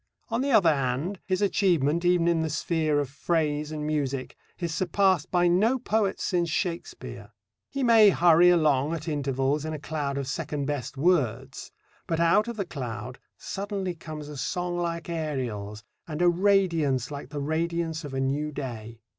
On the other hand, his achievement even in the sphere of phrase and music is surpassed by no poet since Shakespeare. He may hurry along at intervals in a cloud of second best words, but out of the cloud suddenly comes a song like Ariel's and a radiance like the radiance of a new day.